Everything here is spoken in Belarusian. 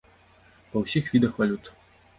Па ўсіх відах валют.